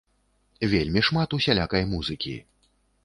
Вельмі шмат усялякай музыкі.